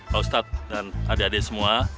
pak ustadz dan adik adik semua